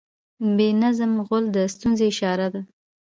بې نظم غول د ستونزې اشاره ده.